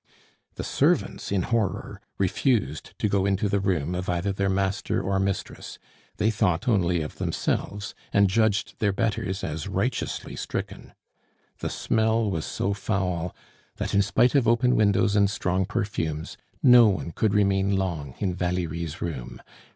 The servants, in horror, refused to go into the room of either their master or mistress; they thought only of themselves, and judged their betters as righteously stricken. The smell was so foul that in spite of open windows and strong perfumes, no one could remain long in Valerie's room.